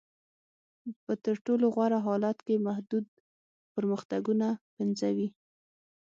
په تر ټولو غوره حالت کې محدود پرمختګونه پنځوي.